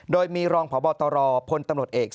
โดยมีรองพบตรพลตำรวจเอก